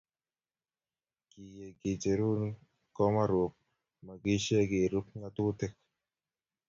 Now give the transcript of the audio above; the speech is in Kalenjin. Kiyeyei kecheruni komarub makishe kerub ngatutik.